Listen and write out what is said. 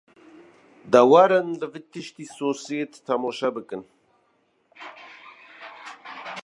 De werin li vî tiştî sosret temaşe bikin